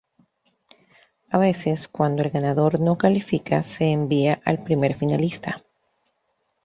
A veces, cuándo el ganador no califica se envía al primer finalista.